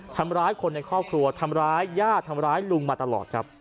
ทำร้ายคนในครอบครัวทำร้ายย่าทำร้ายลุงมาตลอดครับ